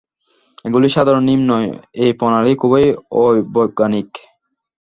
এগুলি সাধারণ নিয়ম নয়, এই প্রণালী খুবই অবৈজ্ঞানিক।